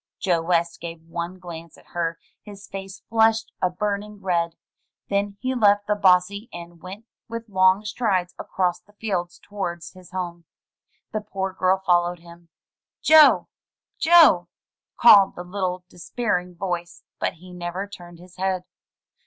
Joe West gave one glance at her; his face flushed a burning red; then he left the bossy and went with long strides across the fields towards his home. The poor girl followed him. "Joe! Joe!'' called the little despairing voice, but he never turned his head.